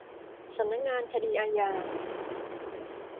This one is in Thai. สำนักงานคดีอาญา